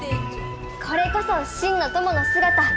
これこそ真の友の姿。